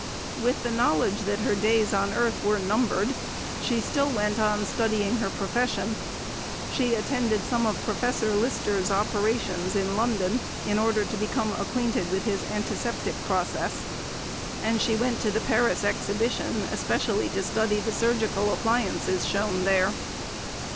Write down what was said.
With the knowledge that her days on earth were numbered, she still went on studying her profession. She attended some of Professor Lister's operations in London in order to become acquainted with his antiseptic process, and she went to the Paris Exhibition especially to study the surgical appliances shown there.